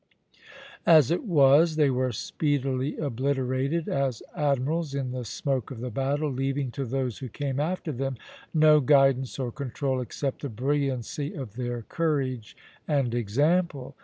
As it was, they were speedily obliterated, as admirals, in the smoke of the battle, leaving to those who came after them no guidance or control except the brilliancy of their courage and example.